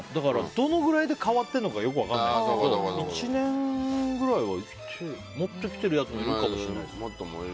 どのくらいで代わってるのかよく分からないですけど１年くらいはもっと生きてるやつもいるかもしれない。